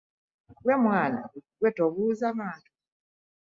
Gwe mwana gwe tobuuza bantu?